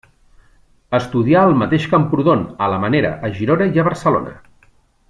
Estudià al mateix Camprodon, a La Manera, a Girona i a Barcelona.